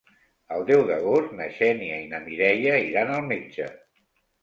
El deu d'agost na Xènia i na Mireia iran al metge.